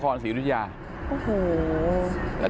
ตอนนี้ก็เปลี่ยนแบบนี้แหละ